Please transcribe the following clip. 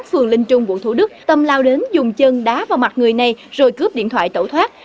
phường linh trung quận thủ đức tâm lao đến dùng chân đá vào mặt người này rồi cướp điện thoại tẩu thoát